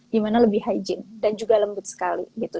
dimana lebih hygiene dan juga lembut sekali gitu